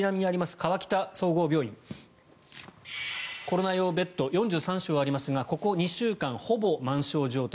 河北総合病院コロナ用ベッド４３床ありますがここ２週間ほぼ満床状態。